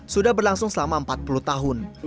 sudah berlangsung selama empat puluh tahun